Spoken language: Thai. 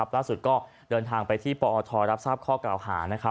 ล่าสุดก็เดินทางไปที่ปอทรับทราบข้อกล่าวหา